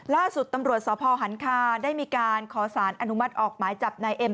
ล่าสุดตำรวจสพหันคาได้มีการขอสารอนุมัติออกหมายจับนายเอ็ม